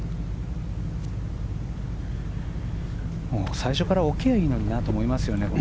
最初から置けばいいのになと思いますけど。